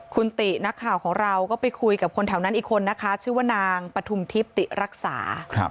คุณติน้องของเราก็ไปคุยกับคนแถวนั้นอีกคนนะคะชื่อนางปัทุมทิปติรักษา